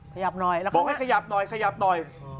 ขยับหน่อยแล้วก็บอกให้ขยับหน่อยขยับหน่อย